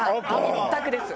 一択です！